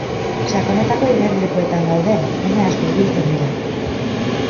Sakonetako igerilekuetan gaude ume asko ibiltzen dira.